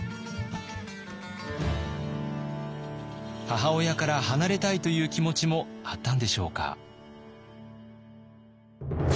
母親から離れたいという気持ちもあったんでしょうか。